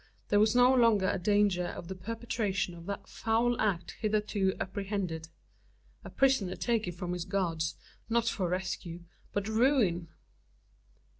There was no longer a danger of the perpetration of that foul act hitherto apprehended: a prisoner taken from his guards, not for rescue, but ruin!